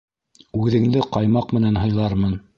Үҙеңде ҡаймаҡ менән һыйлармын.